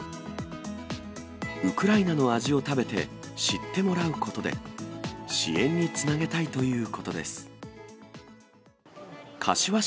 ウクライナの味を食べて知ってもらうことで、支援につなげたいということです。